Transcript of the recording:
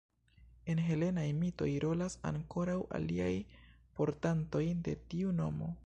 En helenaj mitoj rolas ankoraŭ aliaj portantoj de tiu nomo.